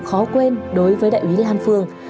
khó quên đối với đại úy lan phương